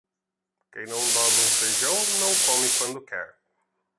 Quem não dobra um feijão não come quando quer.